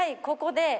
ここで。